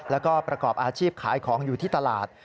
แล้วก็ประกอบอาชีพขายของอยู่ที่ตลาด